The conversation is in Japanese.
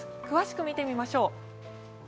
詳しく見てみましょう。